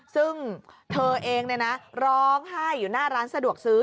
ซึ่งเธอเองร้องไห้อยู่หน้าร้านสะดวกซื้อ